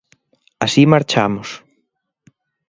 Así marchamos.